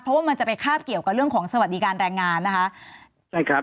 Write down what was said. เพราะว่ามันจะไปคาบเกี่ยวกับเรื่องของสวัสดิการแรงงานนะคะใช่ครับ